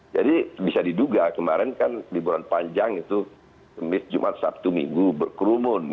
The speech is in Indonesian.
jadi bisa diduga kemarin kan liburan panjang itu jumat sabtu minggu berkerumun